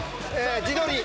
自撮り。